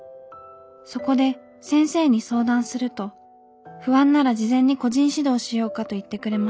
そこで先生に相談すると不安なら事前に個人指導しようかといってくれました。